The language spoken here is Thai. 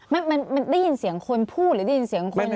มันได้ยินเสียงคนพูดหรือได้ยินเสียงคน